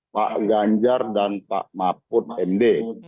pak ganjar dan pak mahfud md